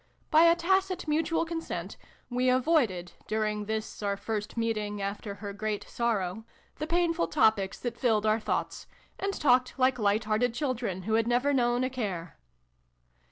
By a tacit mutual consent, we avoided, during this our first meeting after her great sorrow, the painful topics that filled our thoughts, and talked like light hearted children who had never known a care.